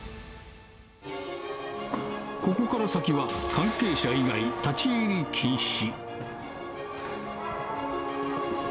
ここから先は関係者以外立ち入り禁止。